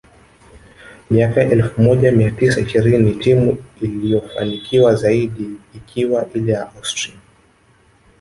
miaka ya elfu moja mia tisa ishirini timu iliyofanikiwa zaidi ikiwa ile ya Austrian